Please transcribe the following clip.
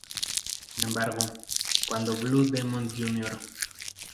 Sin embargo, cuando Blue Demon, Jr.